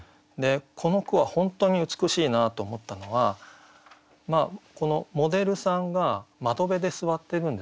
この句は本当に美しいなと思ったのはこのモデルさんが窓辺で座ってるんですかね。